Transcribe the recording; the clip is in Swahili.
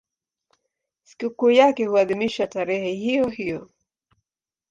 Sikukuu yake huadhimishwa tarehe hiyohiyo.